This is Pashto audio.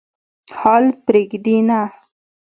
حال پرېږدي نه.